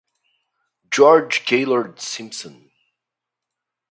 George Gaylord Simpson.